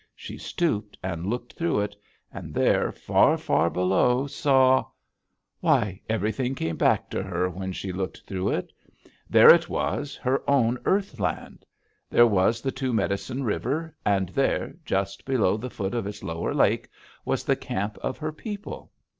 She stooped and looked through it, and there, far, far below, saw "Why, everything came back to her when she looked through it: There it was, her own earth land! There was the Two Medicine River, and there, just below the foot of its lower lake, was the camp of her people!